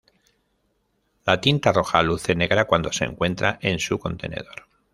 La tinta roja luce negra cuando se encuentra en su contenedor.